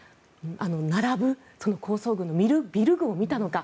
並ぶ高層群のビル群を見たのか